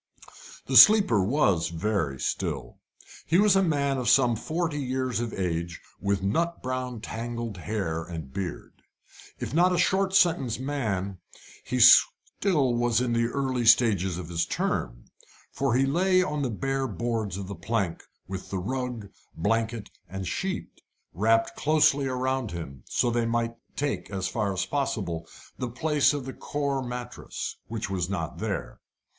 The sleeper was very still. He was a man of some forty years of age, with nut brown tangled hair and beard. If not a short sentence man he was still in the early stages of his term for he lay on the bare boards of the plank with the rug, blanket, and sheet wrapped closely round him, so that they might take, as far as possible, the place of the coir mattress, which was not there.